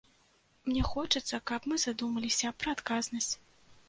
Мне хочацца, каб мы задумаліся пра адказнасць.